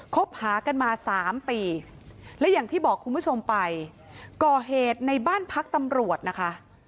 คบหากันมาสามปีและอย่างที่บอกคุณผู้ชมไปก่อเหตุในบ้านพักตำรวจนะคะ